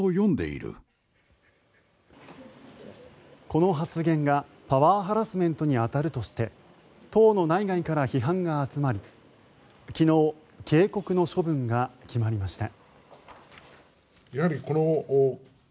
この発言がパワーハラスメントに当たるとして党の内外から批判が集まり昨日、警告の処分が決まりました。